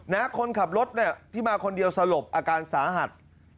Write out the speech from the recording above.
คนขับรถเนี่ยที่มาคนเดียวสลบอาการสาหัส